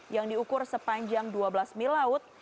yang diukur sepanjang dua belas mil laut